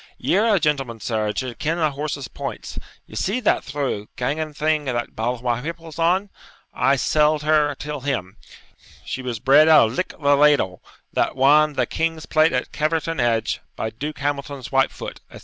Ye're a gentleman, sir, and should ken a horse's points; ye see that through ganging thing that Balmawhapple's on; I selled her till him. She was bred out of Lick the ladle, that wan the king's plate at Caverton Edge, by Duke Hamilton's White Foot,' etc.